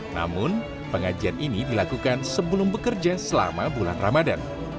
namun pengajian ini dilakukan sebelum bekerja selama bulan ramadan